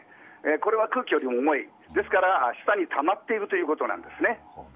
これは空気よりも重いので下にたまっているということです。